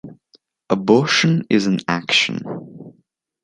abortion is an action